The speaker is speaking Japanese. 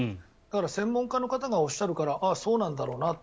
専門家の方がおっしゃるからああ、そうなんだろうなって